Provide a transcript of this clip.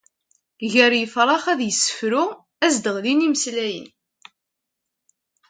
Gar yifrax ad yessefru, ad s-d-ɣlin imeslayen.